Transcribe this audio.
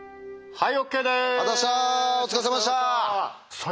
はい。